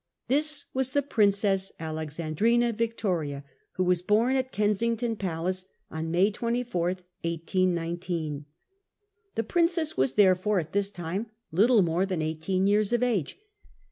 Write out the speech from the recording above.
This was the Princess Alexandrina Victoria, who was bom at Kensington Palace on May 24 , 1887. THE PRINCESS VICTORIA. 7 1819. The princess was therefore at this time little more than eighteen years of age.